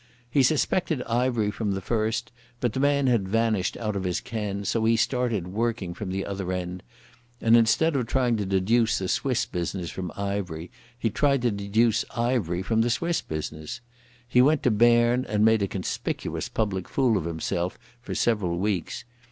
He suspected Ivery from the first, but the man had vanished out of his ken, so he started working from the other end, and instead of trying to deduce the Swiss business from Ivery he tried to deduce Ivery from the Swiss business. He went to Berne and made a conspicuous public fool of himself for several weeks.